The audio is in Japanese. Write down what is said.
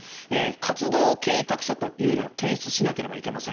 活動計画書というのを提出しなければいけません。